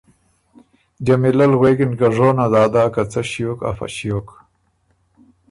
جمیلۀ ل غوېکِن که ”ژونه دادا که څۀ ݭیوک افۀ ݭیوک